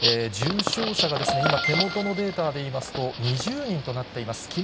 重症者が今、手元のデータでいいますと、２０人となっています。